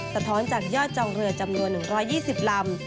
สะท้อนจากยอดจองเรือจำนวน๑๒๐ลำ